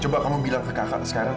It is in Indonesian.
coba kamu bilang ke kakak sekarang